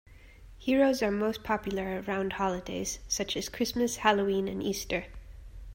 Heroes are most popular around holidays, such as Christmas, Halloween and Easter.